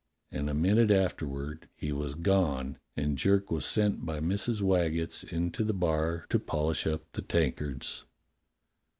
And a minute afterward he was gone and Jerk was sent by Mrs. Waggetts into the bar to poHsh up the tankards.